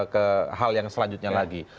ke hal yang selanjutnya lagi